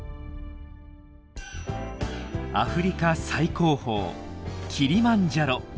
アフリカ最高峰キリマンジャロ。